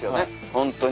ホントに。